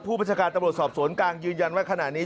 ประชาการตำรวจสอบสวนกลางยืนยันว่าขณะนี้